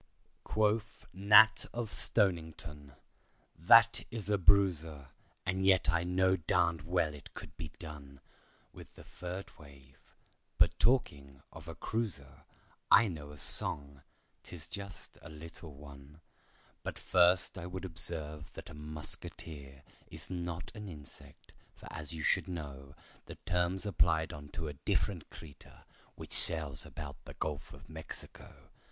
Quoth Nat of Stonington, "That is a bruiser, And yet I know darn'd well it could be done With the third wave—but talking of a cruiser, I know a song—'tis just a little one— But first I would observe that a muskeeter Is not an insect, for as you should know The term's applied unto a different creeter, Which sails about the Gulf of Mexico.